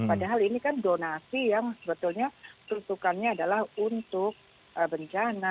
padahal ini kan donasi yang sebetulnya tutupannya adalah untuk bencana